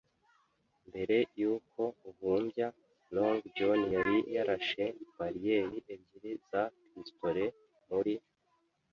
Mbere yuko uhumbya, Long John yari yarashe barriel ebyiri za pistolet muri